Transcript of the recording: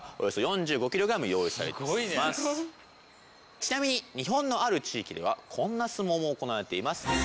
ちなみに日本のある地域ではこんな相撲も行われています。